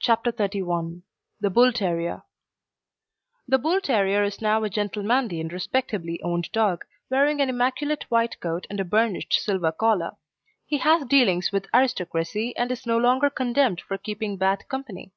CHAPTER XXXI THE BULL TERRIER The Bull terrier is now a gentlemanly and respectably owned dog, wearing an immaculate white coat and a burnished silver collar; he has dealings with aristocracy, and is no longer contemned for keeping bad company.